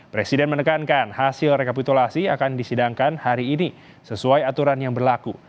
presiden menekankan hasil rekapitulasi akan disidangkan hari ini sesuai aturan yang berlaku